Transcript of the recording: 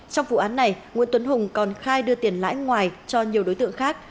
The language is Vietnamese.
trong vụ án này nguyễn tuấn hùng còn khai đưa tiền lãi ngoài cho nhiều đối tượng khác